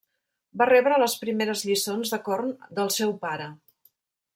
Va rebre les primeres lliçons de corn del seu pare.